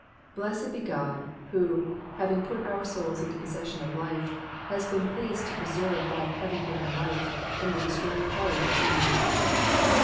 Blessed be God, who, having put our souls into possession of life, has been pleased to preserve that heaven given life from the destroying power of the enemy.